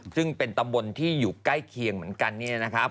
ซึ่งเป็นตำบลที่อยู่ใกล้เคียงเหมือนกัน